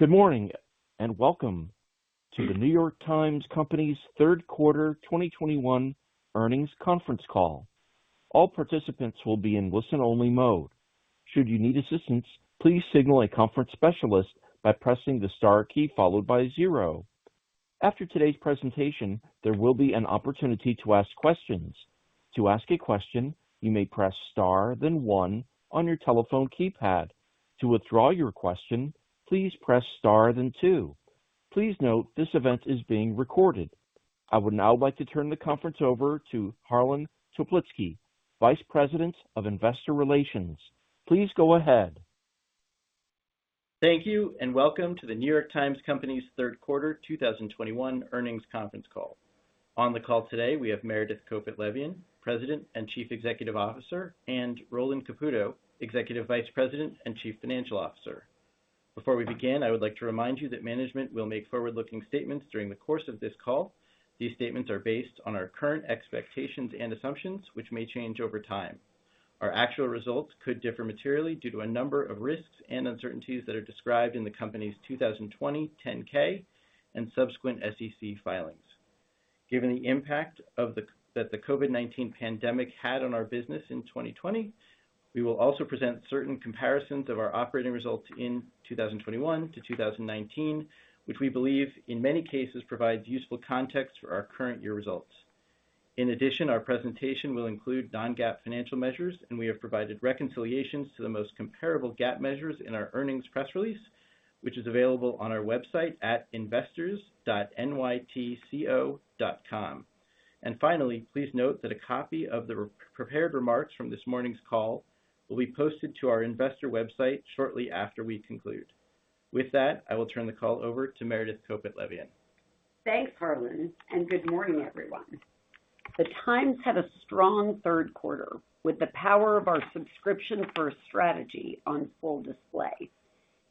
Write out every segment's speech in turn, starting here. Good morning, and welcome to The New York Times Company's third quarter 2021 earnings conference call. All participants will be in listen-only mode. Should you need assistance, please signal a conference specialist by pressing the star key followed by zero. After today's presentation, there will be an opportunity to ask questions. To ask a question, you may press star then one on your telephone keypad. To withdraw your question, please press star then two. Please note this event is being recorded. I would now like to turn the conference over to Harlan Toplitzky, Vice President of Investor Relations. Please go ahead. Thank you, and welcome to The New York Times Company's third quarter 2021 earnings conference call. On the call today, we have Meredith Kopit Levien, President and Chief Executive Officer, and Roland Caputo, Executive Vice President and Chief Financial Officer. Before we begin, I would like to remind you that management will make forward-looking statements during the course of this call. These statements are based on our current expectations and assumptions, which may change over time. Our actual results could differ materially due to a number of risks and uncertainties that are described in the company's 2020 10-K and subsequent SEC filings. Given the impact of the COVID-19 pandemic on our business in 2020, we will also present certain comparisons of our operating results in 2021 to 2019, which we believe in many cases provides useful context for our current year results. In addition, our presentation will include non-GAAP financial measures, and we have provided reconciliations to the most comparable GAAP measures in our earnings press release, which is available on our website at investors.nytco.com. Finally, please note that a copy of the re-prepared remarks from this morning's call will be posted to our investor website shortly after we conclude. With that, I will turn the call over to Meredith Kopit Levien. Thanks, Harlan, and good morning, everyone. The Times had a strong third quarter with the power of our subscription-first strategy on full display.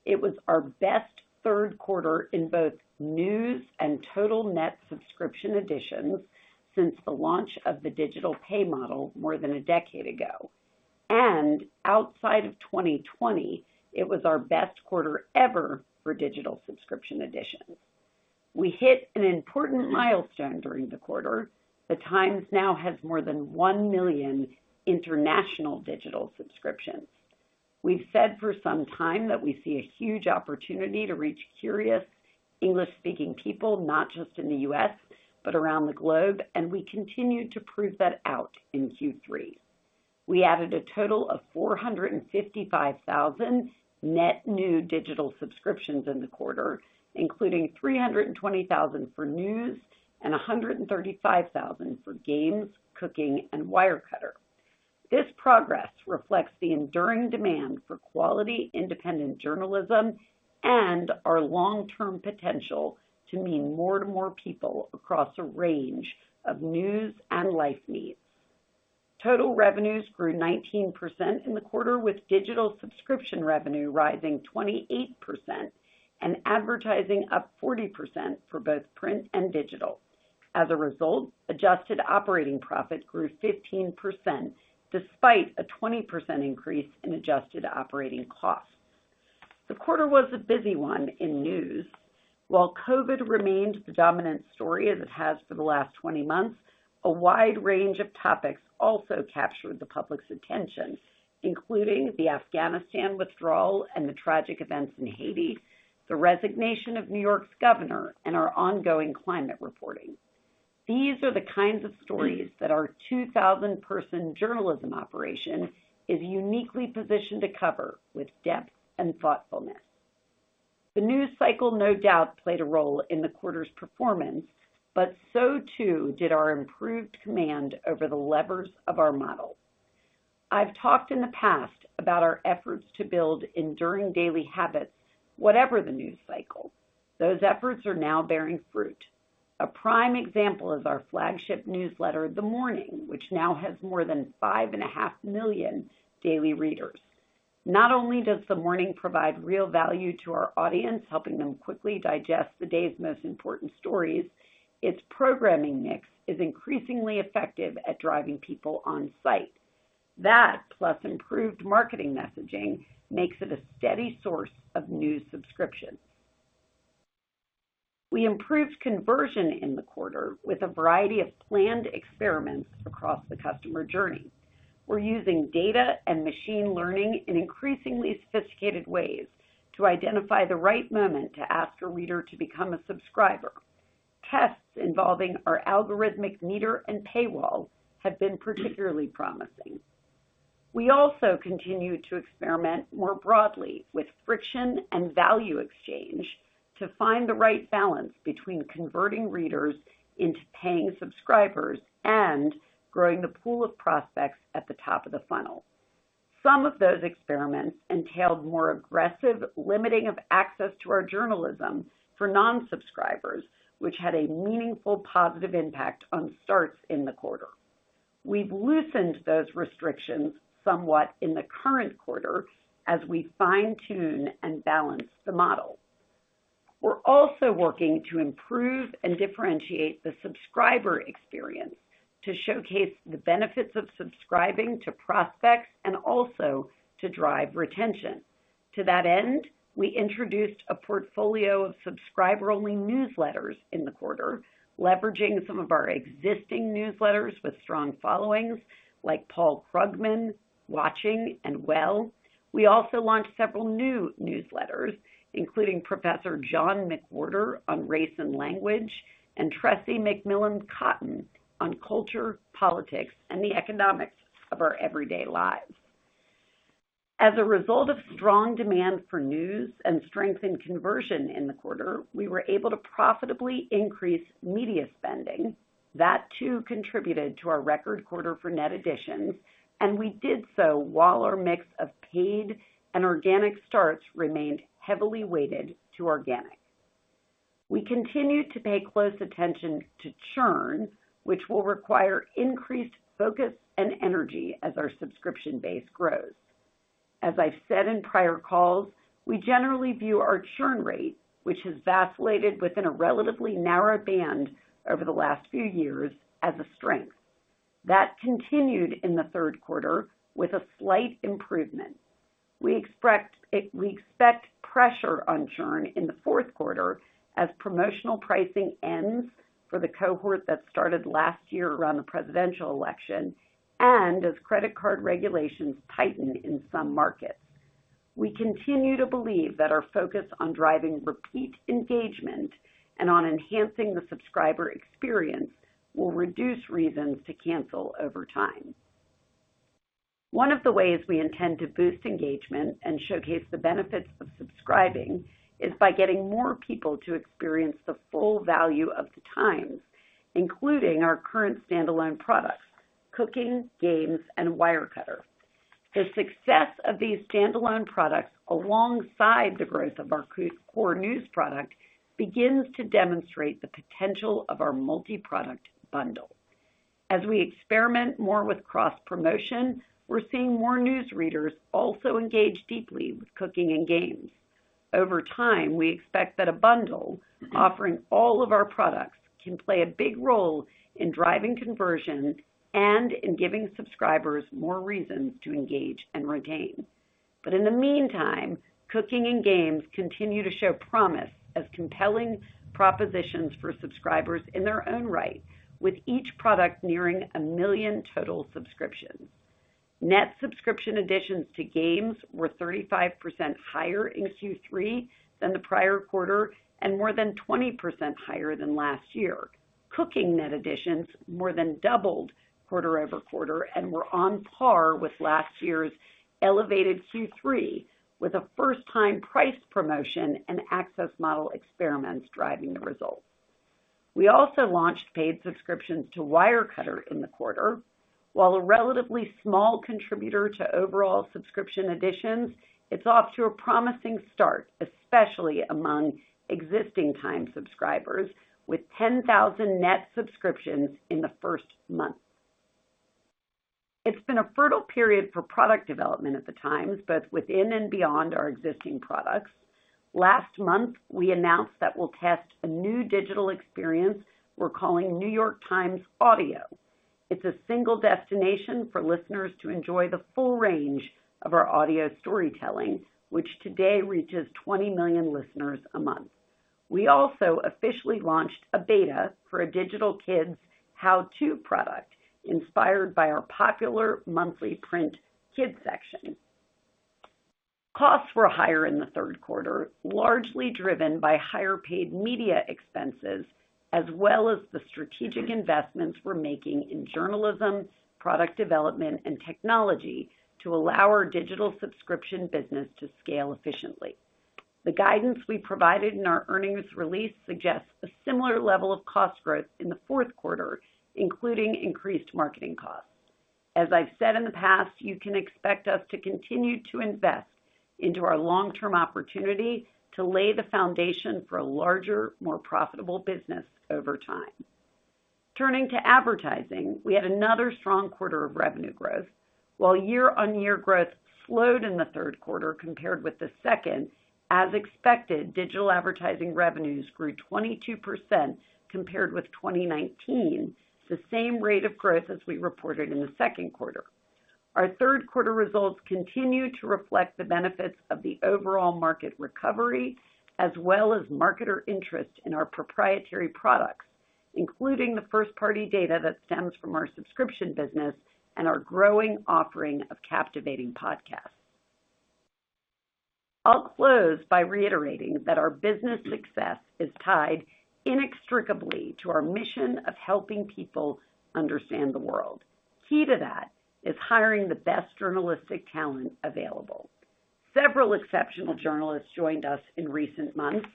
It was our best third quarter in both news and total net subscription additions since the launch of the digital pay model more than a decade ago. Outside of 2020, it was our best quarter ever for digital subscription additions. We hit an important milestone during the quarter. The Times now has more than 1 million international digital subscriptions. We've said for some time that we see a huge opportunity to reach curious English-speaking people, not just in the U.S., but around the globe, and we continued to prove that out in Q3. We added a total of 455,000 net new digital subscriptions in the quarter, including 320,000 for news and 135,000 for Games, Cooking, and Wirecutter. This progress reflects the enduring demand for quality, independent journalism and our long-term potential to mean more to more people across a range of news and life needs. Total revenues grew 19% in the quarter, with digital subscription revenue rising 28% and advertising up 40% for both print and digital. As a result, adjusted operating profit grew 15% despite a 20% increase in adjusted operating costs. The quarter was a busy one in news. While COVID remained the dominant story as it has for the last 20 months, a wide range of topics also captured the public's attention, including the Afghanistan withdrawal and the tragic events in Haiti, the resignation of New York's governor, and our ongoing climate reporting. These are the kinds of stories that our 2,000-person journalism operation is uniquely positioned to cover with depth and thoughtfulness. The news cycle no doubt played a role in the quarter's performance, but so too did our improved command over the levers of our model. I've talked in the past about our efforts to build enduring daily habits whatever the news cycle. Those efforts are now bearing fruit. A prime example is our flagship newsletter, The Morning, which now has more than 5.5 million daily readers. Not only does The Morning provide real value to our audience, helping them quickly digest the day's most important stories, its programming mix is increasingly effective at driving people on site. That, plus improved marketing messaging, makes it a steady source of new subscriptions. We improved conversion in the quarter with a variety of planned experiments across the customer journey. We're using data and machine learning in increasingly sophisticated ways to identify the right moment to ask a reader to become a subscriber. Tests involving our algorithmic meter and paywall have been particularly promising. We also continued to experiment more broadly with friction and value exchange to find the right balance between converting readers into paying subscribers and growing the pool of prospects at the top of the funnel. Some of those experiments entailed more aggressive limiting of access to our journalism for non-subscribers, which had a meaningful positive impact on starts in the quarter. We've loosened those restrictions somewhat in the current quarter as we fine-tune and balance the model. We're also working to improve and differentiate the subscriber experience to showcase the benefits of subscribing to prospects and also to drive retention. To that end, we introduced a portfolio of subscriber-only newsletters in the quarter, leveraging some of our existing newsletters with strong followings, like Paul Krugman, Watching, and Well. We also launched several new newsletters, including Professor John McWhorter on race and language, and Tressie McMillan Cottom on culture, politics, and the economics of our everyday lives. As a result of strong demand for news and strength in conversion in the quarter, we were able to profitably increase media spending. That too contributed to our record quarter for net additions, and we did so while our mix of paid and organic starts remained heavily weighted to organic. We continue to pay close attention to churn, which will require increased focus and energy as our subscription base grows. As I've said in prior calls, we generally view our churn rate, which has vacillated within a relatively narrow band over the last few years, as a strength. That continued in the third quarter with a slight improvement. We expect pressure on churn in the fourth quarter as promotional pricing ends for the cohort that started last year around the presidential election and as credit card regulations tighten in some markets. We continue to believe that our focus on driving repeat engagement and on enhancing the subscriber experience will reduce reasons to cancel over time. One of the ways we intend to boost engagement and showcase the benefits of subscribing is by getting more people to experience the full value of The Times, including our current standalone products, Cooking, Games, and Wirecutter. The success of these standalone products alongside the growth of our core news product begins to demonstrate the potential of our multiproduct bundle. As we experiment more with cross-promotion, we're seeing more news readers also engage deeply with Cooking and Games. Over time, we expect that a bundle offering all of our products can play a big role in driving conversion and in giving subscribers more reasons to engage and retain. Cooking and Games continue to show promise as compelling propositions for subscribers in their own right, with each product nearing a million total subscriptions. Net subscription additions to Games were 35% higher in Q3 than the prior quarter and more than 20% higher than last year. Cooking net additions more than doubled quarter-over-quarter and were on par with last year's elevated Q3 with a first-time price promotion and access model experiments driving the results. We also launched paid subscriptions to Wirecutter in the quarter. While a relatively small contributor to overall subscription additions, it's off to a promising start, especially among existing Times subscribers, with 10,000 net subscriptions in the first month. It's been a fertile period for product development at The Times, both within and beyond our existing products. Last month, we announced that we'll test a new digital experience we're calling New York Times Audio. It's a single destination for listeners to enjoy the full range of our audio storytelling, which today reaches 20 million listeners a month. We also officially launched a beta for a digital kids' how-to product inspired by our popular monthly print kids section. Costs were higher in the third quarter, largely driven by higher paid media expenses as well as the strategic investments we're making in journalism, product development, and technology to allow our digital subscription business to scale efficiently. The guidance we provided in our earnings release suggests a similar level of cost growth in the fourth quarter, including increased marketing costs. As I've said in the past, you can expect us to continue to invest into our long-term opportunity to lay the foundation for a larger, more profitable business over time. Turning to advertising, we had another strong quarter of revenue growth. While year-on-year growth slowed in the third quarter compared with the second, as expected, digital advertising revenues grew 22% compared with 2019, the same rate of growth as we reported in the second quarter. Our third quarter results continue to reflect the benefits of the overall market recovery, as well as marketer interest in our proprietary products, including the first-party data that stems from our subscription business and our growing offering of captivating podcasts. I'll close by reiterating that our business success is tied inextricably to our mission of helping people understand the world. Key to that is hiring the best journalistic talent available. Several exceptional journalists joined us in recent months,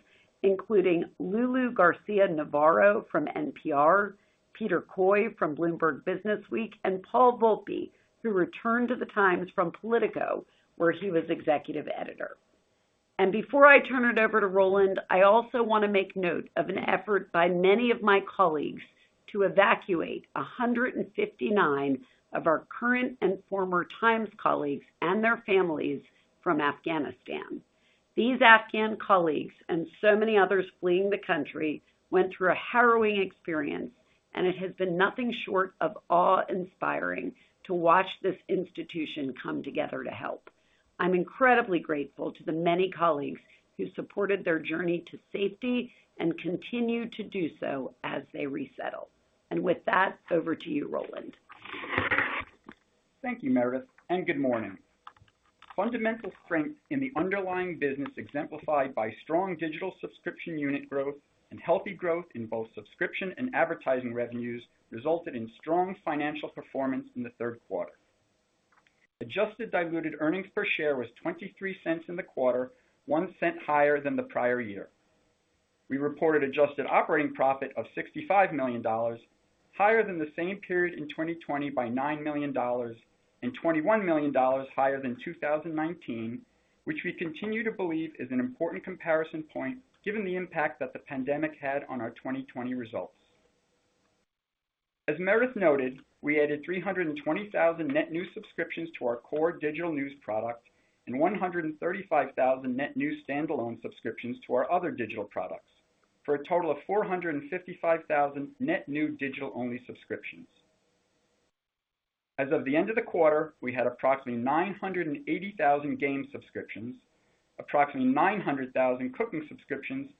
including Lulu Garcia-Navarro from NPR, Peter Coy from Bloomberg Businessweek, and Paul Volpe, who returned to The Times from POLITICO, where he was executive editor. Before I turn it over to Roland, I also want to make note of an effort by many of my colleagues to evacuate 159 of our current and former Times colleagues and their families from Afghanistan. These Afghan colleagues and so many others fleeing the country went through a harrowing experience, and it has been nothing short of awe-inspiring to watch this institution come together to help. I'm incredibly grateful to the many colleagues who supported their journey to safety and continue to do so as they resettle. With that, over to you, Roland. Thank you, Meredith, and good morning. Fundamental strength in the underlying business, exemplified by strong digital subscription unit growth and healthy growth in both subscription and advertising revenues, resulted in strong financial performance in the third quarter. Adjusted diluted earnings per share was $0.23 in the quarter, $0.01 higher than the prior year. We reported adjusted operating profit of $65 million, higher than the same period in 2020 by $9 million and $21 million higher than 2019, which we continue to believe is an important comparison point given the impact that the pandemic had on our 2020 results. As Meredith noted, we added 320,000 net new subscriptions to our core digital news product and 135,000 net new standalone subscriptions to our other digital products, for a total of 455,000 net new digital-only subscriptions. As of the end of the quarter, we had approximately 980,000 Games subscriptions, approximately 900,000 Cooking subscriptions,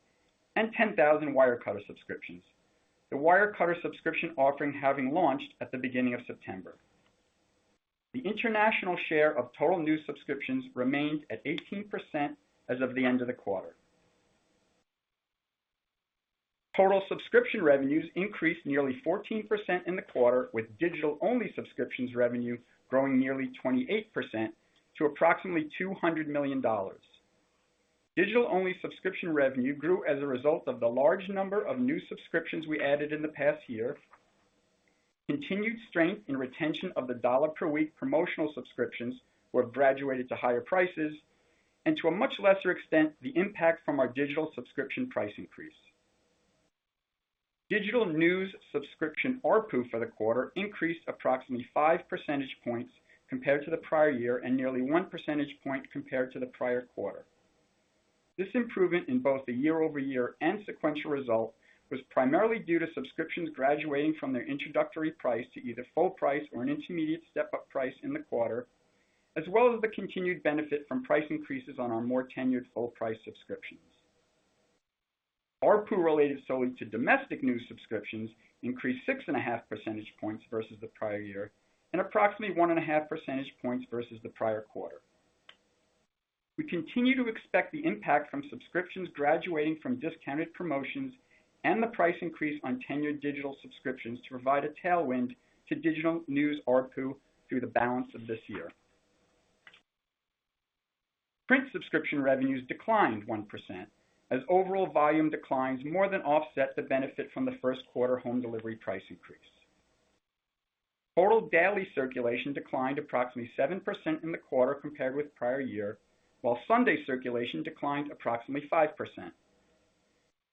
and 10,000 Wirecutter subscriptions, the Wirecutter subscription offering having launched at the beginning of September. The international share of total new subscriptions remained at 18% as of the end of the quarter. Total subscription revenues increased nearly 14% in the quarter, with digital-only subscriptions revenue growing nearly 28% to approximately $200 million. Digital-only subscription revenue grew as a result of the large number of new subscriptions we added in the past year, continued strength in retention of the $1 per week promotional subscriptions were graduated to higher prices, and to a much lesser extent, the impact from our digital subscription price increase. Digital news subscription ARPU for the quarter increased approximately 5 percentage points compared to the prior year and nearly 1 percentage point compared to the prior quarter. This improvement in both the year-over-year and sequential result was primarily due to subscriptions graduating from their introductory price to either full price or an intermediate step-up price in the quarter, as well as the continued benefit from price increases on our more tenured full price subscriptions. ARPU related solely to domestic news subscriptions increased 6.5 percentage points versus the prior year and approximately 1.5 percentage points versus the prior quarter. We continue to expect the impact from subscriptions graduating from discounted promotions and the price increase on tenured digital subscriptions to provide a tailwind to digital news ARPU through the balance of this year. Print subscription revenues declined 1% as overall volume declines more than offset the benefit from the first quarter home delivery price increase. Total daily circulation declined approximately 7% in the quarter compared with prior year, while Sunday circulation declined approximately 5%.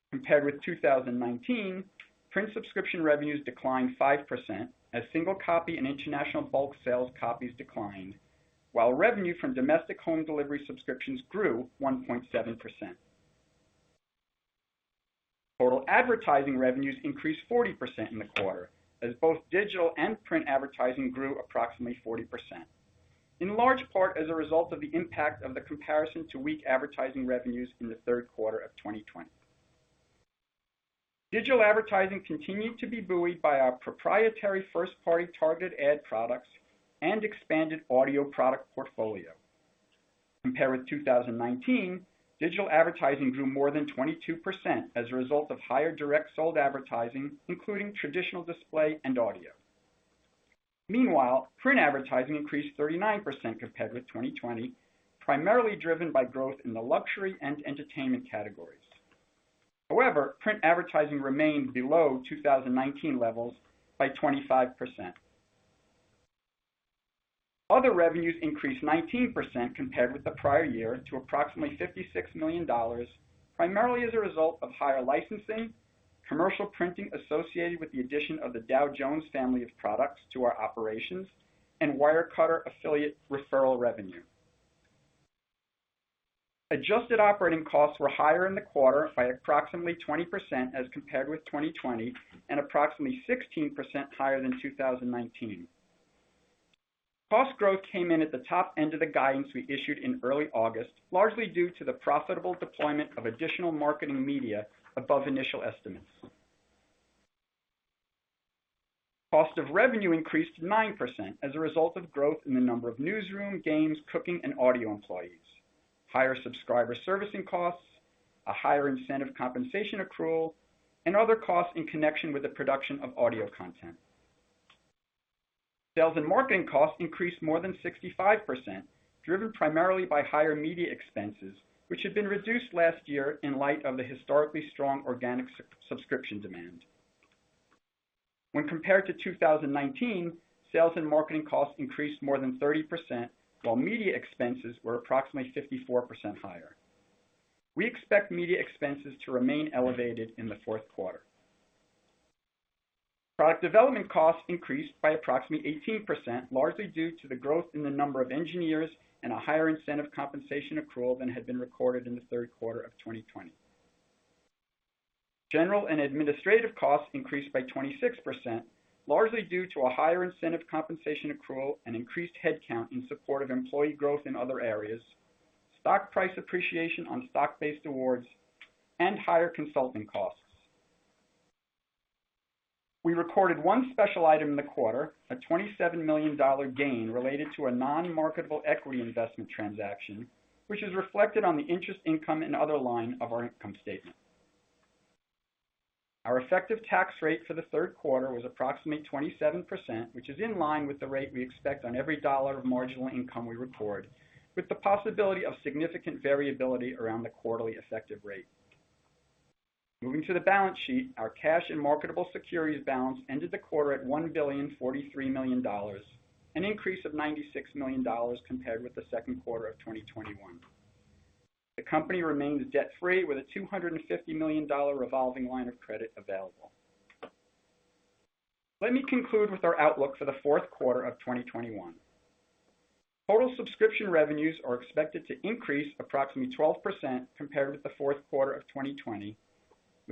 Compared with 2019, print subscription revenues declined 5% as single copy and international bulk sales copies declined, while revenue from domestic home delivery subscriptions grew 1.7%. Total advertising revenues increased 40% in the quarter as both digital and print advertising grew approximately 40%, in large part as a result of the impact of the comparison to weak advertising revenues in the third quarter of 2020. Digital advertising continued to be buoyed by our proprietary first-party targeted ad products and expanded audio product portfolio. Compared with 2019, digital advertising grew more than 22% as a result of higher direct sold advertising, including traditional display and audio. Meanwhile, print advertising increased 39% compared with 2020, primarily driven by growth in the luxury and entertainment categories. However, print advertising remained below 2019 levels by 25%. Other revenues increased 19% compared with the prior year to approximately $56 million, primarily as a result of higher licensing, commercial printing associated with the addition of the Dow Jones family of products to our operations and Wirecutter affiliate referral revenue. Adjusted operating costs were higher in the quarter by approximately 20% as compared with 2020 and approximately 16% higher than 2019. Cost growth came in at the top end of the guidance we issued in early August, largely due to the profitable deployment of additional marketing media above initial estimates. Cost of revenue increased 9% as a result of growth in the number of newsroom, Games, Cooking, and Audio employees, higher subscriber servicing costs, a higher incentive compensation accrual, and other costs in connection with the production of audio content. Sales and marketing costs increased more than 65%, driven primarily by higher media expenses, which had been reduced last year in light of the historically strong organic subscription demand. When compared to 2019, sales and marketing costs increased more than 30%, while media expenses were approximately 54% higher. We expect media expenses to remain elevated in the fourth quarter. Product development costs increased by approximately 18%, largely due to the growth in the number of engineers and a higher incentive compensation accrual than had been recorded in the third quarter of 2020. General and administrative costs increased by 26%, largely due to a higher incentive compensation accrual and increased headcount in support of employee growth in other areas, stock price appreciation on stock-based awards, and higher consulting costs. We recorded one special item in the quarter, a $27 million gain related to a non-marketable equity investment transaction, which is reflected on the interest income and other line of our income statement. Our effective tax rate for the third quarter was approximately 27%, which is in line with the rate we expect on every dollar of marginal income we record, with the possibility of significant variability around the quarterly effective rate. Moving to the balance sheet, our cash and marketable securities balance ended the quarter at $1,043 million, an increase of $96 million compared with the second quarter of 2021. The company remains debt-free with a $250 million revolving line of credit available. Let me conclude with our outlook for the fourth quarter of 2021. Total subscription revenues are expected to increase approximately 12% compared with the fourth quarter of 2020,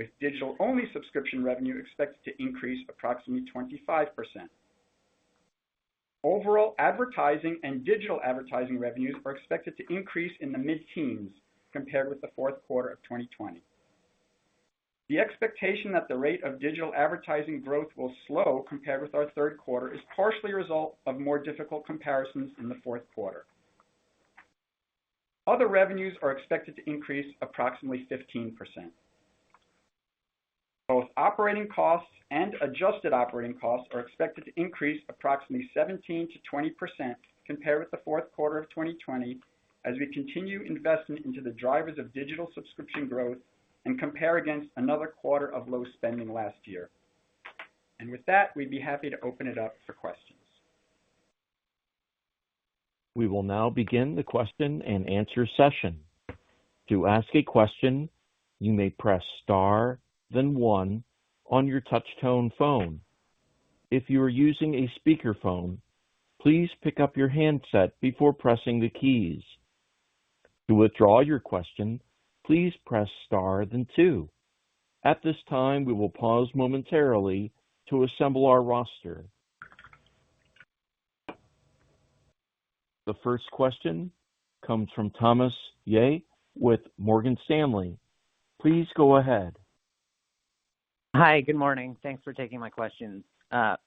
with digital-only subscription revenue expected to increase approximately 25%. Overall advertising and digital advertising revenues are expected to increase in the mid-teens compared with the fourth quarter of 2020. The expectation that the rate of digital advertising growth will slow compared with our third quarter is partially a result of more difficult comparisons in the fourth quarter. Other revenues are expected to increase approximately 15%. Both operating costs and adjusted operating costs are expected to increase approximately 17%-20% compared with the fourth quarter of 2020, as we continue investing into the drivers of digital subscription growth and compare against another quarter of low spending last year. With that, we'd be happy to open it up for questions. We will now begin the question and answer session. To ask a question you may press star then one on your touchtone phone. If you are using a speaker phone please pick up the handset before pressing the keys. To withdraw your question please press star then two. At this time we will pause momentarily to assemble our roster. The first question comes from Thomas Yeh with Morgan Stanley. Please go ahead. Hi. Good morning. Thanks for taking my questions.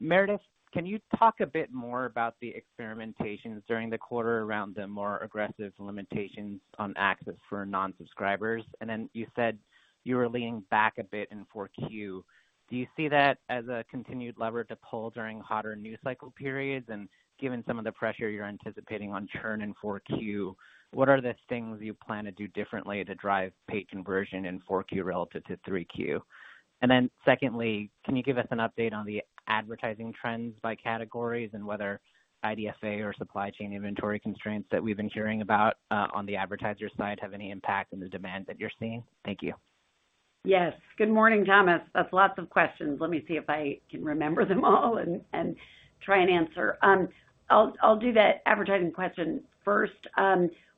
Meredith, can you talk a bit more about the experimentations during the quarter around the more aggressive limitations on access for non-subscribers? You said you were leaning back a bit in 4Q. Do you see that as a continued lever to pull during hotter news cycle periods? Given some of the pressure you're anticipating on churn in 4Q, what are the things you plan to do differently to drive paid conversion in 4Q relative to 3Q? Can you give us an update on the advertising trends by categories and whether IDFA or supply chain inventory constraints that we've been hearing about on the advertiser side have any impact on the demand that you're seeing? Thank you. Yes. Good morning, Thomas Yeh. That's lots of questions. Let me see if I can remember them all and try and answer. I'll do that advertising question first.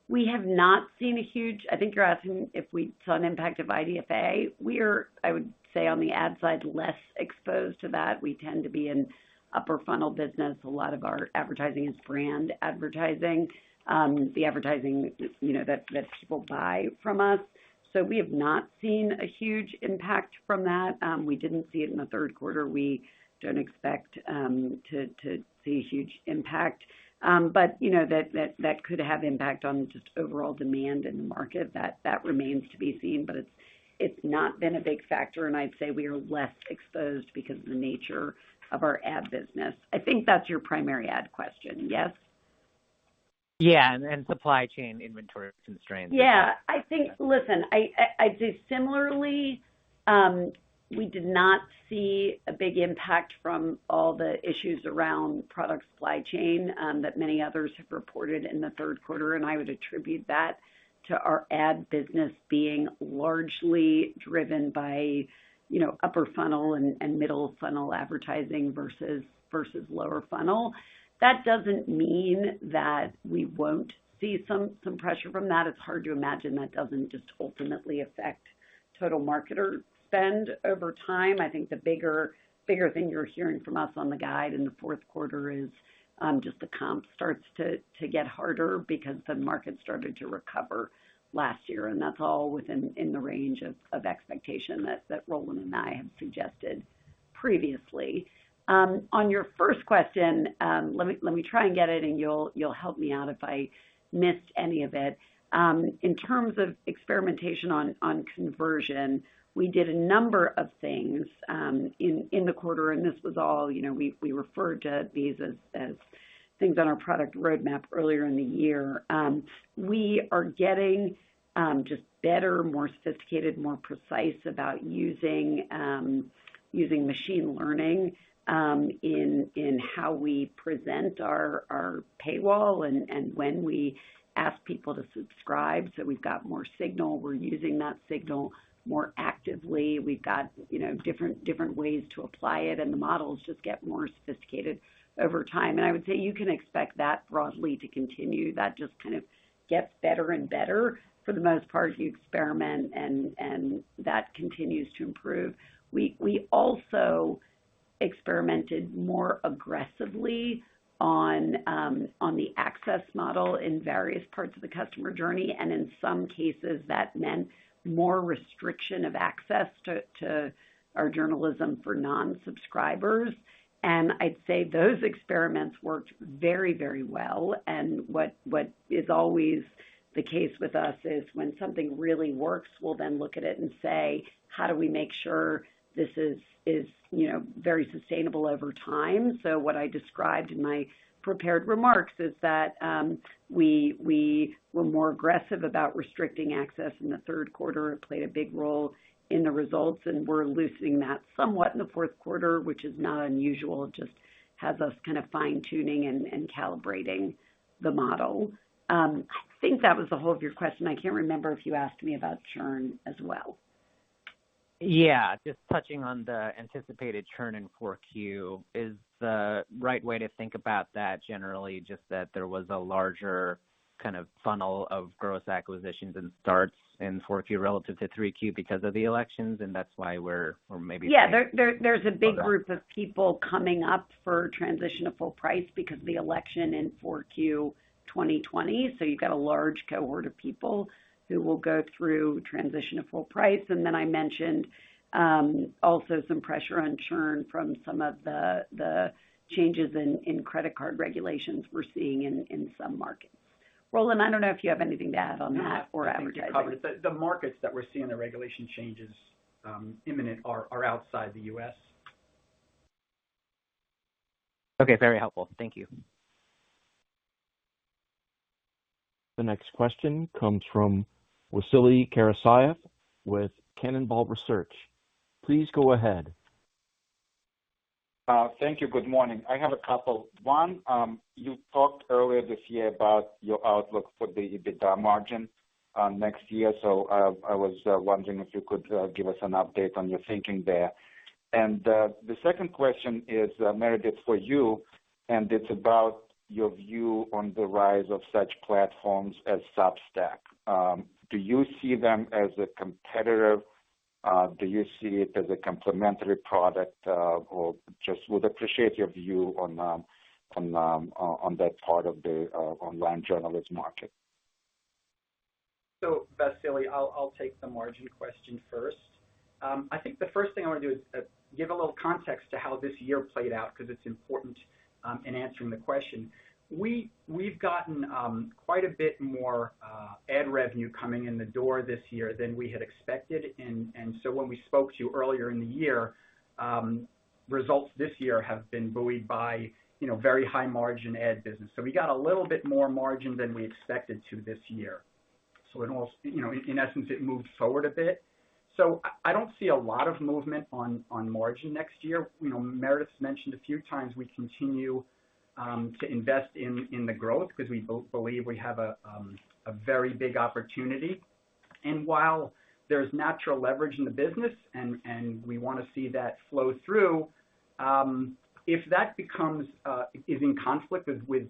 We have not seen a huge impact. I think you're asking if we saw an impact of IDFA. We are, I would say, on the ad side, less exposed to that. We tend to be in upper funnel business. A lot of our advertising is brand advertising, the advertising, you know, that people buy from us. So we have not seen a huge impact from that. We didn't see it in the third quarter. We don't expect to see a huge impact. You know, that could have impact on just overall demand in the market. That remains to be seen, but it's not been a big factor, and I'd say we are less exposed because of the nature of our ad business. I think that's your primary ad question. Yes? Yeah, supply chain inventory constraints. Yeah. I think. Listen, I'd say similarly, we did not see a big impact from all the issues around product supply chain, that many others have reported in the third quarter. I would attribute that to our ad business being largely driven by, you know, upper funnel and middle funnel advertising versus lower funnel. That doesn't mean that we won't see some pressure from that. It's hard to imagine that doesn't just ultimately affect total marketer spend over time. I think the bigger thing you're hearing from us on the guide in the fourth quarter is just the comp starts to get harder because the market started to recover last year, and that's all within the range of expectation that Roland and I have suggested previously. On your first question, let me try and get it and you'll help me out if I missed any of it. In terms of experimentation on conversion, we did a number of things in the quarter, and this was all, you know, we referred to these as things on our product roadmap earlier in the year. We are getting just better, more sophisticated, more precise about using machine learning in how we present our paywall and when we ask people to subscribe. So we've got more signal. We're using that signal more actively, we've got, you know, different ways to apply it, and the models just get more sophisticated over time. I would say, you can expect that broadly to continue. That just kind of gets better and better for the most part as you experiment, and that continues to improve. We also experimented more aggressively on the access model in various parts of the customer journey, and in some cases that meant more restriction of access to our journalism for non-subscribers. I'd say those experiments worked very, very well. What is always the case with us is when something really works, we'll then look at it and say, "How do we make sure this is, you know, very sustainable over time?" What I described in my prepared remarks is that we were more aggressive about restricting access in the third quarter. It played a big role in the results, and we're loosening that somewhat in the fourth quarter, which is not unusual. It just has us kind of fine-tuning and calibrating the model. I think that was the whole of your question. I can't remember if you asked me about churn as well. Yeah. Just touching on the anticipated churn in 4Q. Is the right way to think about that generally just that there was a larger kind of funnel of gross acquisitions and starts in 4Q relative to 3Q because of the elections, and that's why we're. Yeah. Hold on. There's a big group of people coming up for transition to full price because of the election in Q4 2020. You've got a large cohort of people who will go through transition to full price. I mentioned also some pressure on churn from some of the changes in credit card regulations we're seeing in some markets. Roland, I don't know if you have anything to add on that or advertising. No, I think you covered it. The markets that we're seeing the regulation changes imminent are outside the U.S. Okay. Very helpful. Thank you. The next question comes from Vasily Karasyov with Cannonball Research. Please go ahead. Thank you. Good morning. I have a couple. One, you talked earlier this year about your outlook for the EBITDA margin next year. I was wondering if you could give us an update on your thinking there. The second question is, Meredith, for you, and it's about your view on the rise of such platforms as Substack. Do you see them as a competitor? Do you see it as a complementary product? Or just would appreciate your view on that part of the online journalist market. Vasily, I'll take the margin question first. I think the first thing I want to do is give a little context to how this year played out because it's important in answering the question. We've gotten quite a bit more ad revenue coming in the door this year than we had expected and so when we spoke to you earlier in the year, results this year have been buoyed by, you know, very high margin ad business. We got a little bit more margin than we expected to this year. In all, you know, in essence, it moved forward a bit. I don't see a lot of movement on margin next year. You know, Meredith's mentioned a few times we continue to invest in the growth because we both believe we have a very big opportunity. While there's natural leverage in the business and we wanna see that flow through, if that is in conflict with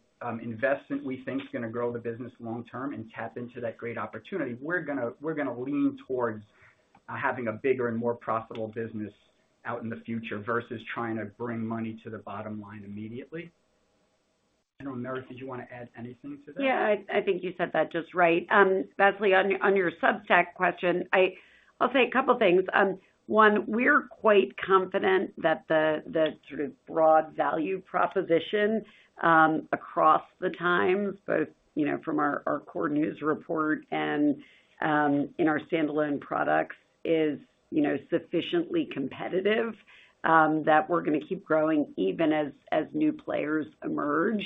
investment we think is gonna grow the business long term and tap into that great opportunity, we're gonna lean towards having a bigger and more profitable business out in the future versus trying to bring money to the bottom line immediately. I don't know, Meredith, did you want to add anything to that? Yeah. I think you said that just right. Vasily, on your Substack question, I'll say a couple things. One, we're quite confident that the sort of broad value proposition across the Times, both, you know, from our core news report and in our standalone products is, you know, sufficiently competitive that we're gonna keep growing even as new players emerge.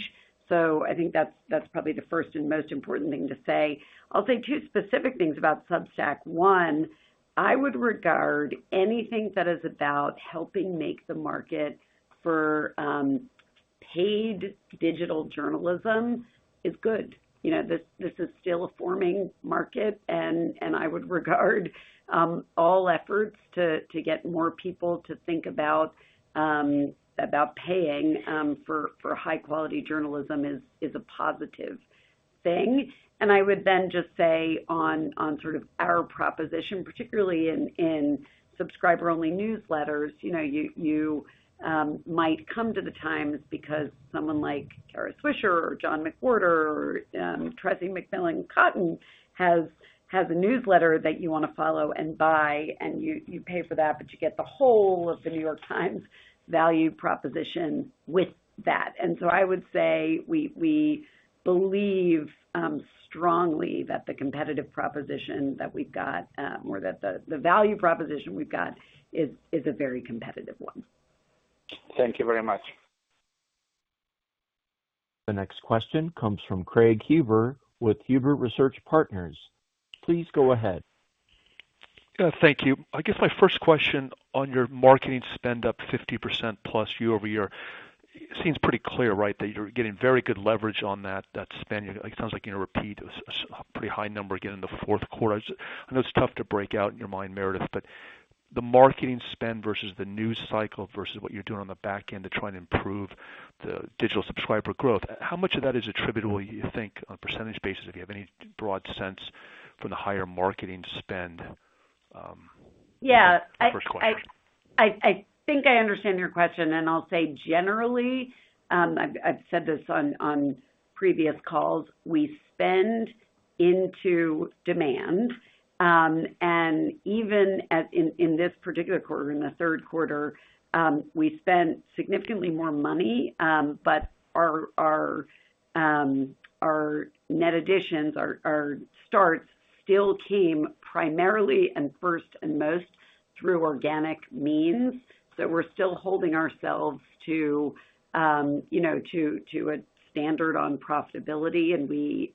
I think that's probably the first and most important thing to say. I'll say two specific things about Substack. One, I would regard anything that is about helping make the market for paid digital journalism is good. You know, this is still a forming market, and I would regard all efforts to get more people to think about paying for high-quality journalism is a positive thing. I would then just say on sort of our proposition, particularly in subscriber-only newsletters, you know, you might come to The Times because someone like Kara Swisher or John McWhorter or Tressie McMillan Cottom has a newsletter that you wanna follow and buy, and you pay for that, but you get the whole of The New York Times value proposition with that. I would say we believe strongly that the competitive proposition that we've got or that the value proposition we've got is a very competitive one. Thank you very much. The next question comes from Craig Huber with Huber Research Partners. Please go ahead. Yeah. Thank you. I guess my first question on your marketing spend up 50%+ year-over-year. It seems pretty clear, right, that you're getting very good leverage on that spend. It sounds like you're going to repeat a pretty high number again in the fourth quarter. I know it's tough to break out in your mind, Meredith, but the marketing spend versus the news cycle versus what you're doing on the back end to try and improve the digital subscriber growth, how much of that is attributable, you think, on a percentage basis? If you have any broad sense for the higher marketing spend. Yeah. First question. I think I understand your question, and I'll say generally, I've said this on previous calls. We spend into demand, and even in this particular quarter, in the third quarter, we spent significantly more money, but our net additions, our starts still came primarily and first and most through organic means. We're still holding ourselves to, you know, to a standard on profitability, and we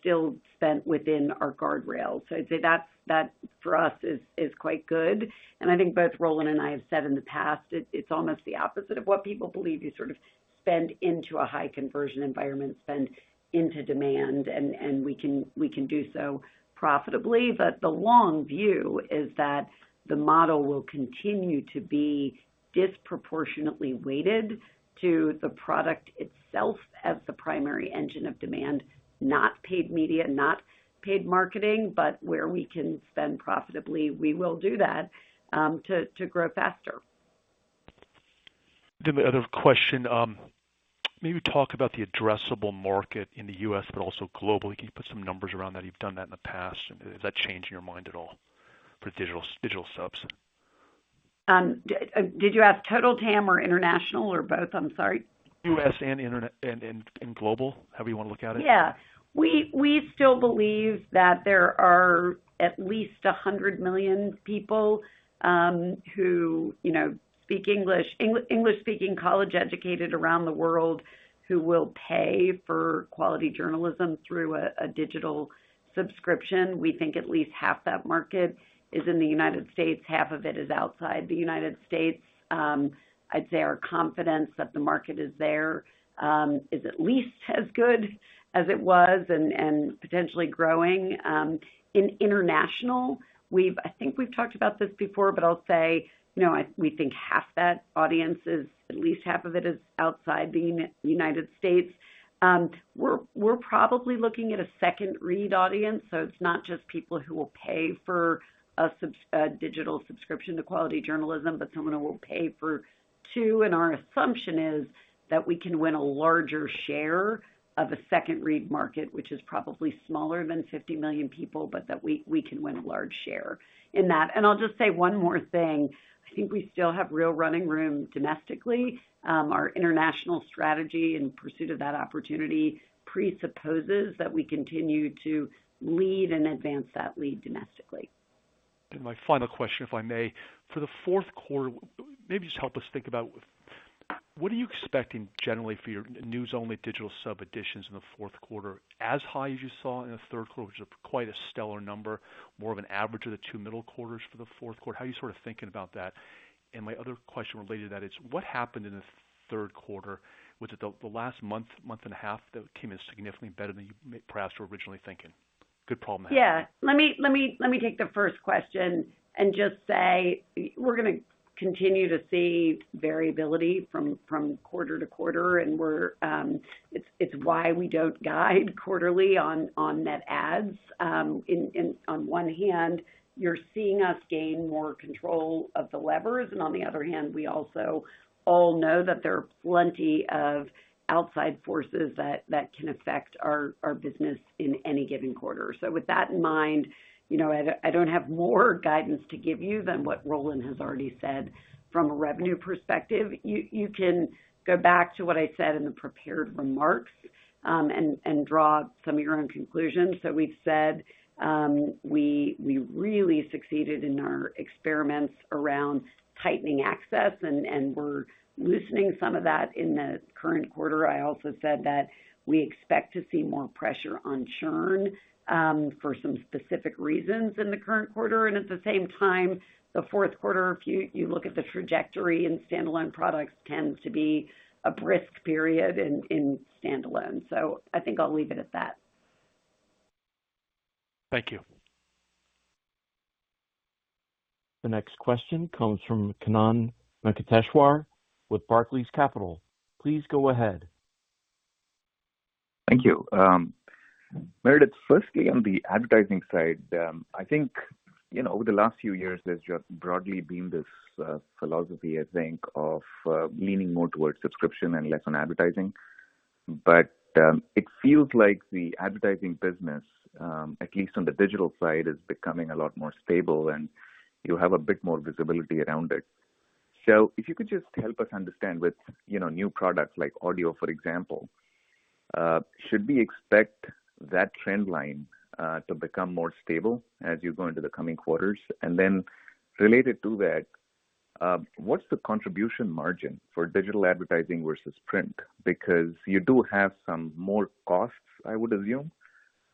still spent within our guardrails. I'd say that for us is quite good. I think both Roland and I have said in the past, it's almost the opposite of what people believe. You sort of spend into a high conversion environment, spend into demand, and we can do so profitably. The long view is that the model will continue to be disproportionately weighted to the product itself as the primary engine of demand, not paid media, not paid marketing, but where we can spend profitably, we will do that, to grow faster. The other question, maybe talk about the addressable market in the U.S., but also globally. Can you put some numbers around that? You've done that in the past. Has that changed in your mind at all for digital subs? Did you ask total TAM or international or both? I'm sorry. U.S. and internet and global, however you want to look at it. Yeah. We still believe that there are at least 100 million people who you know speak English. English-speaking, college-educated around the world who will pay for quality journalism through a digital subscription. We think at least half that market is in the United States, half of it is outside the United States. I'd say our confidence that the market is there is at least as good as it was and potentially growing. In international, I think we've talked about this before, but I'll say, you know, we think half that audience is, at least half of it is outside the United States. We're probably looking at a second read audience. It's not just people who will pay for a digital subscription to quality journalism, but someone who will pay for two, and our assumption is that we can win a larger share of a second read market, which is probably smaller than 50 million people, but that we can win a large share in that. I'll just say one more thing. I think we still have real running room domestically. Our international strategy in pursuit of that opportunity presupposes that we continue to lead and advance that lead domestically. My final question, if I may. For the fourth quarter, maybe just help us think about what are you expecting generally for your news-only digital sub additions in the fourth quarter? As high as you saw in the third quarter, which is quite a stellar number, more of an average of the two middle quarters for the fourth quarter? How are you sort of thinking about that? My other question related to that is what happened in the third quarter? Was it the last month and a half that came in significantly better than you perhaps were originally thinking? Good problem to have. Yeah. Let me take the first question and just say we're gonna continue to see variability from quarter to quarter. It's why we don't guide quarterly on net ads. On one hand, you're seeing us gain more control of the levers, and on the other hand, we also all know that there are plenty of outside forces that can affect our business in any given quarter. With that in mind, you know, I don't have more guidance to give you than what Roland has already said from a revenue perspective. You can go back to what I said in the prepared remarks, and draw some of your own conclusions. We've said we really succeeded in our experiments around tightening access, and we're loosening some of that in the current quarter. I also said that we expect to see more pressure on churn for some specific reasons in the current quarter. At the same time, the fourth quarter, if you look at the trajectory in standalone products, tends to be a brisk period in standalone. I think I'll leave it at that. Thank you. The next question comes from Kannan Venkateshwar with Barclays Capital. Please go ahead. Thank you. Meredith, firstly, on the advertising side, I think, you know, over the last few years, there's just broadly been this philosophy, I think, of leaning more towards subscription and less on advertising. It feels like the advertising business, at least on the digital side, is becoming a lot more stable and you have a bit more visibility around it. If you could just help us understand with, you know, new products like audio, for example, should we expect that trend line to become more stable as you go into the coming quarters? Related to that, what's the contribution margin for digital advertising versus print? Because you do have some more costs, I would assume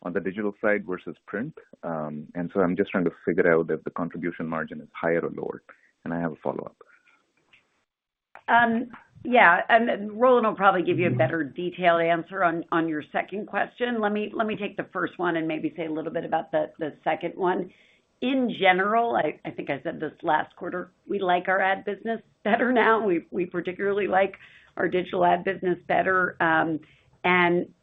on the digital side versus print. I'm just trying to figure out if the contribution margin is higher or lower. I have a follow-up. Yeah. Roland will probably give you a better detailed answer on your second question. Let me take the first one and maybe say a little bit about the second one. In general, I think I said this last quarter, we like our ad business better now. We particularly like our digital ad business better, and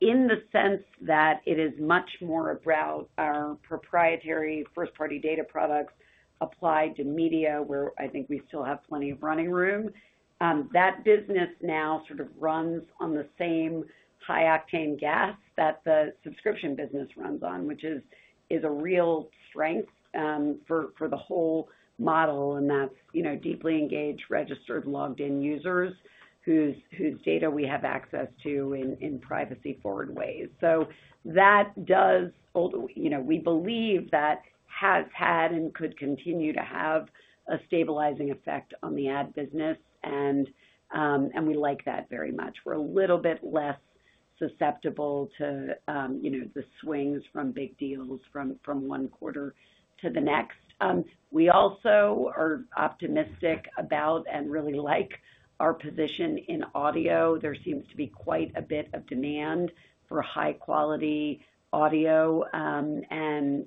in the sense that it is much more about our proprietary first-party data products applied to media, where I think we still have plenty of running room. That business now sort of runs on the same high octane gas that the subscription business runs on, which is a real strength for the whole model, and that's you know, deeply engaged, registered, logged in users whose data we have access to in privacy forward ways. You know, we believe that has had and could continue to have a stabilizing effect on the ad business, and we like that very much. We're a little bit less susceptible to, you know, the swings from big deals from one quarter to the next. We also are optimistic about and really like our position in audio. There seems to be quite a bit of demand for high-quality audio, and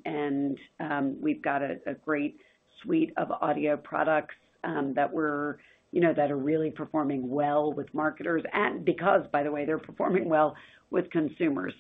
we've got a great suite of audio products that we're, you know, that are really performing well with marketers and because by the way, they're performing well with consumers.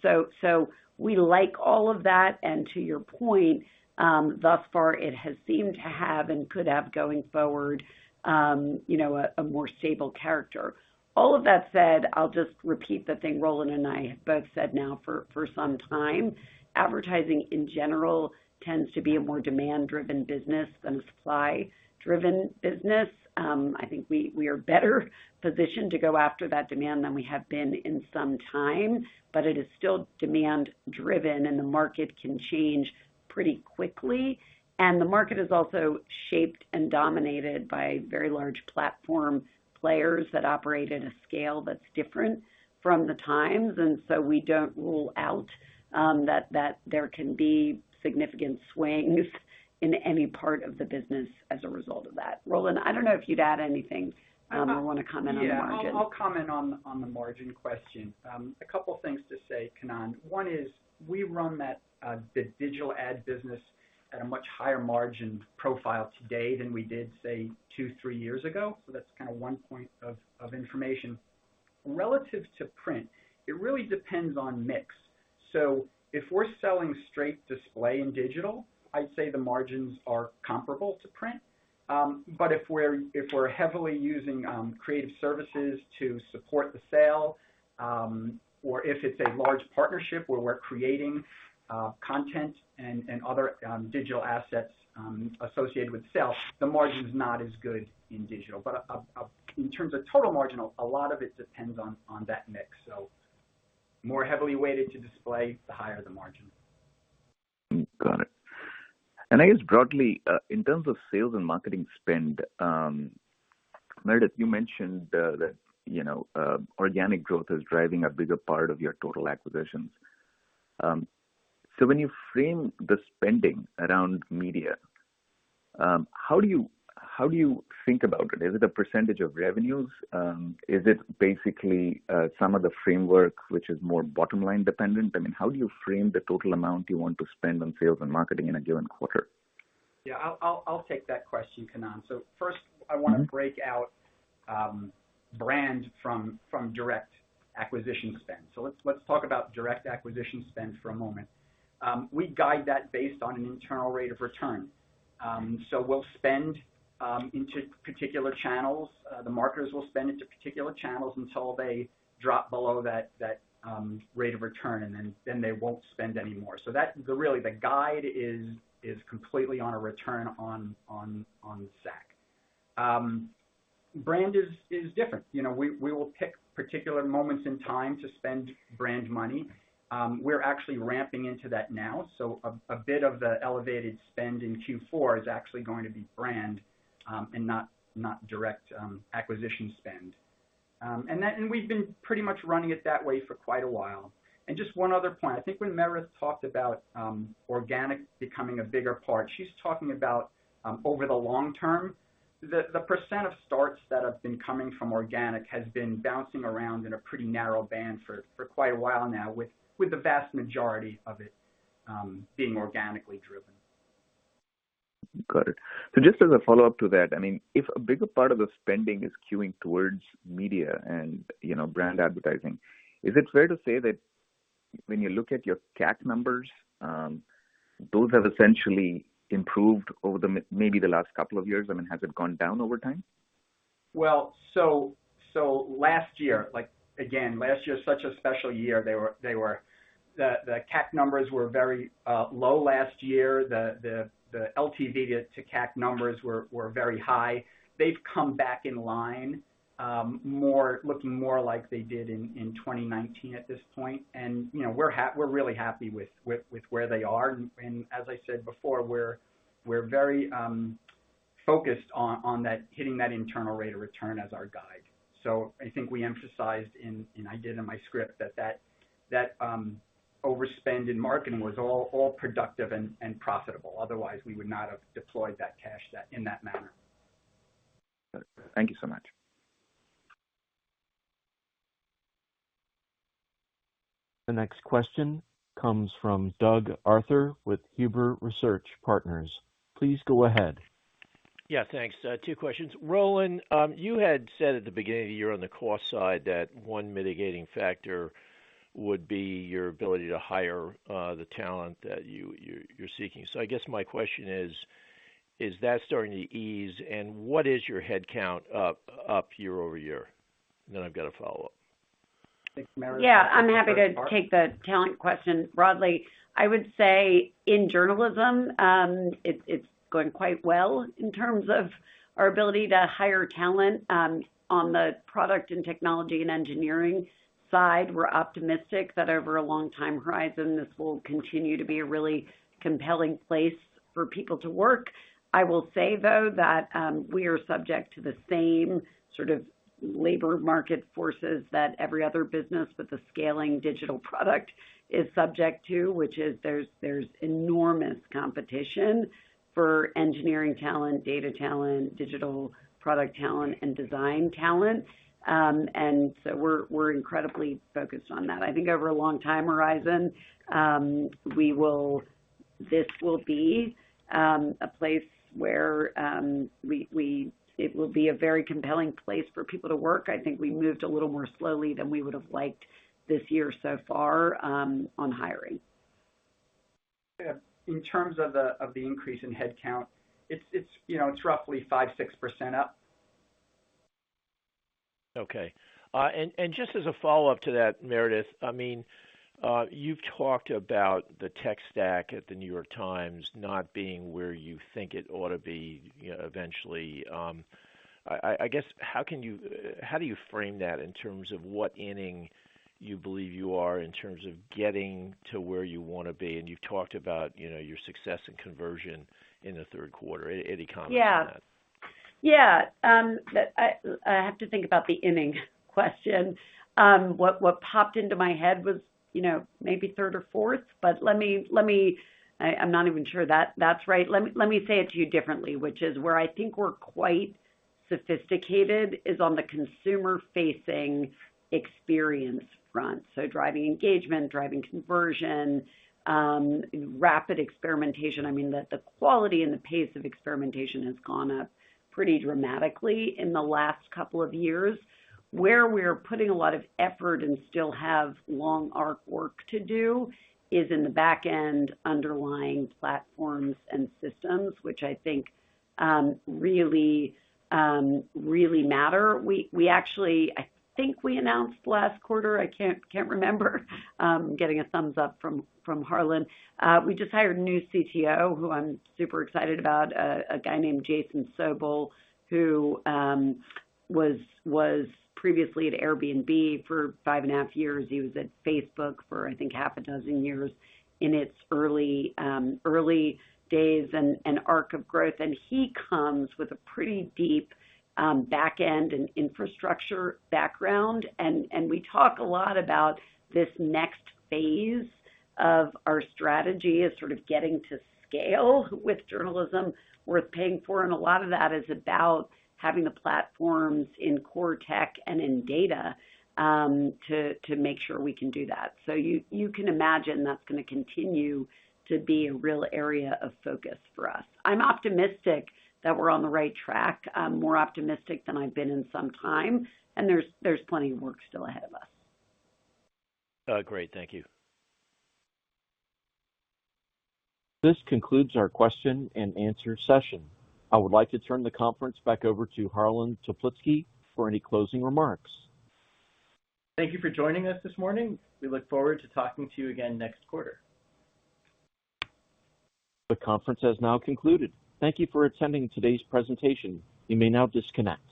We like all of that. To your point, thus far it has seemed to have and could have going forward, you know, a more stable character. All of that said, I'll just repeat the thing Roland and I have both said now for some time. Advertising in general tends to be a more demand-driven business than a supply-driven business. I think we are better positioned to go after that demand than we have been in some time, but it is still demand-driven, and the market can change pretty quickly. The market is also shaped and dominated by very large platform players that operate at a scale that's different from the Times, and so we don't rule out that there can be significant swings in any part of the business as a result of that. Roland, I don't know if you'd add anything or want to comment on the margin. Yeah. I'll comment on the margin question. A couple things to say, Kannan. One is we run the digital ad business at a much higher margin profile today than we did, say, two, three years ago. That's kind of one point of information. Relative to print, it really depends on mix. If we're selling straight display in digital, I'd say the margins are comparable to print. But if we're heavily using creative services to support the sale, or if it's a large partnership where we're creating content and other digital assets associated with sales, the margin's not as good in digital. In terms of total margin, a lot of it depends on that mix. More heavily weighted to display, the higher the margin. Got it. I guess broadly, in terms of sales and marketing spend, Meredith, you mentioned that, you know, organic growth is driving a bigger part of your total acquisitions. So when you frame the spending around media, how do you think about it? Is it a percentage of revenues? Is it basically, some of the framework which is more bottom-line dependent? I mean, how do you frame the total amount you want to spend on sales and marketing in a given quarter? Yeah, I'll take that question, Kannan. First I wanna break out brand from direct acquisition spend. Let's talk about direct acquisition spend for a moment. We guide that based on an internal rate of return. We'll spend into particular channels. The marketers will spend into particular channels until they drop below that rate of return, and then they won't spend any more. That's really the guide is completely on a return on SAC. Brand is different. You know, we will pick particular moments in time to spend brand money. We're actually ramping into that now. A bit of the elevated spend in Q4 is actually going to be brand, and not direct acquisition spend. We've been pretty much running it that way for quite a while. Just one other point. I think when Meredith talked about organic becoming a bigger part, she's talking about over the long term. The percent of starts that have been coming from organic has been bouncing around in a pretty narrow band for quite a while now, with the vast majority of it being organically driven. Got it. Just as a follow-up to that, I mean, if a bigger part of the spending is skewing towards media and, you know, brand advertising, is it fair to say that when you look at your CAC numbers, those have essentially improved over the maybe the last couple of years? I mean, has it gone down over time? Well, last year, like again, last year, such a special year. They were. The CAC numbers were very low last year. The LTV to CAC numbers were very high. They've come back in line, more looking more like they did in 2019 at this point. You know, we're really happy with where they are. As I said before, we're very focused on that hitting that internal rate of return as our guide. I think we emphasized, and I did in my script that overspend in marketing was all productive and profitable, otherwise we would not have deployed that cash there in that manner. Thank you so much. The next question comes from Doug Arthur with Huber Research Partners. Please go ahead. Yeah, thanks. Two questions. Roland, you had said at the beginning of the year on the cost side that one mitigating factor would be your ability to hire the talent that you're seeking. I guess my question is that starting to ease? What is your headcount up year-over-year? I've got a follow-up. I think Meredith. Yeah, I'm happy to take the talent question broadly. I would say in journalism, it's going quite well in terms of our ability to hire talent. On the product and technology and engineering side, we're optimistic that over a long time horizon, this will continue to be a really compelling place for people to work. I will say, though, that we are subject to the same sort of labor market forces that every other business with a scaling digital product is subject to, which is there's enormous competition for engineering talent, data talent, digital product talent, and design talent. And so we're incredibly focused on that. I think over a long time horizon, this will be a place where it will be a very compelling place for people to work. I think we moved a little more slowly than we would've liked this year so far, on hiring. Yeah. In terms of the increase in headcount, it's, you know, it's roughly 5%-6% up. Okay. Just as a follow-up to that, Meredith, I mean, you've talked about the tech stack at The New York Times not being where you think it ought to be, you know, eventually. I guess, how do you frame that in terms of what inning you believe you are in terms of getting to where you wanna be? You've talked about, you know, your success and conversion in the third quarter. Any comments on that? I have to think about the timing question. What popped into my head was, you know, maybe third or fourth, but let me. I'm not even sure that's right. Let me say it to you differently, which is where I think we're quite sophisticated is on the consumer-facing experience front. So driving engagement, driving conversion, rapid experimentation. I mean, the quality and the pace of experimentation has gone up pretty dramatically in the last couple of years. Where we're putting a lot of effort and still have long arc work to do is in the back end, underlying platforms and systems, which I think really matter. We actually, I think we announced last quarter, I can't remember, getting a thumbs up from Harlan. We just hired a new CTO who I'm super excited about, a guy named Jason Sobel, who was previously at Airbnb for 5.5 Years. He was at Facebook for, I think, six years in its early days and arc of growth. He comes with a pretty deep back end and infrastructure background. We talk a lot about this next phase of our strategy as sort of getting to scale with journalism worth paying for. A lot of that is about having the platforms in core tech and in data to make sure we can do that. You can imagine that's gonna continue to be a real area of focus for us. I'm optimistic that we're on the right track. I'm more optimistic than I've been in some time, and there's plenty of work still ahead of us. Great. Thank you. This concludes our question-and-answer session. I would like to turn the conference back over to Harlan Toplitzky for any closing remarks. Thank you for joining us this morning. We look forward to talking to you again next quarter. The conference has now concluded. Thank you for attending today's presentation. You may now disconnect.